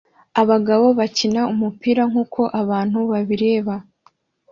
Abagabo bakina umupira nkuko abantu babireba